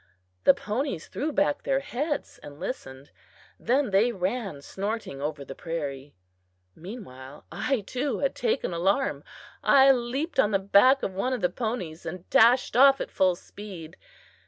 The ponies threw back their heads and listened; then they ran snorting over the prairie. Meanwhile, I too had taken alarm. I leaped on the back of one of the ponies, and dashed off at full speed.